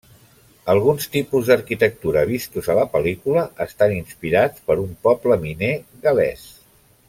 Alguns tipus d'arquitectura vistos a la pel·lícula estan inspirats per un poble miner gal·lès.